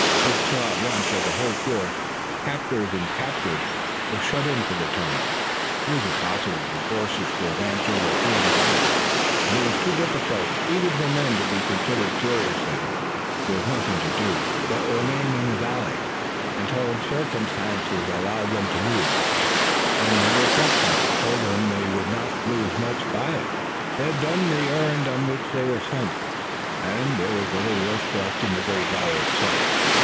Dick saw at once that the whole force, captors and captured, was shut in for the time. It was impossible for horses to advance over a field of ice, and it was too difficult even for men to be considered seriously. There was nothing to do but remain in the valley until circumstances allowed them to move, and reflection told him they would not lose much by it. They had done the errand on which they were sent, and there was little work left in the great valley itself.